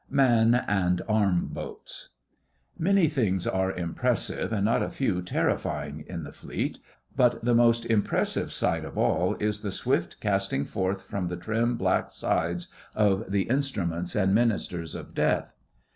'MAN AND ARM BOATS' Many things are impressive and not a few terrifying in the Fleet, but the most impressive sight of all is the swift casting forth from the trim black sides of the instruments and ministers of death.